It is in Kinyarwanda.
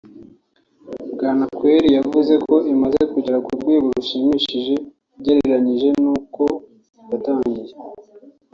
Bwanakweli yavuze ko imaze kugera ku rwego rushimishije ugereranyije n’uko yatangiye